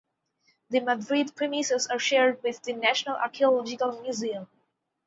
The Madrid premises are shared with the National Archaeological Museum.